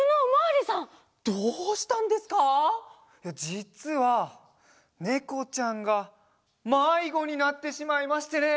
じつはねこちゃんがまいごになってしまいましてね。